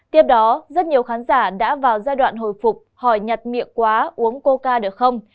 tiếp đó rất nhiều khán giả đã vào giai đoạn hồi phục hỏi nhặt miệng quá uống cô ca được không